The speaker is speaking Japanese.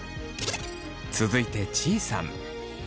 続いてちいさん。